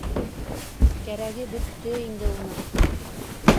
Кәрәге бөттө инде уның...